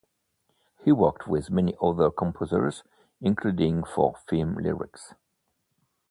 He worked with many other composers, including for film lyrics.